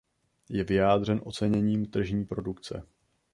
Je vyjádřen oceněním tržní produkce.